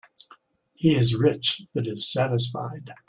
He is rich that is satisfied.